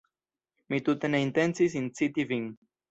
Mi tute ne intencis inciti Vin!